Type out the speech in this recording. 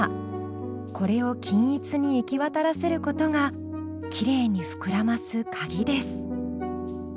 これを均一に行き渡らせることがきれいに膨らますカギです。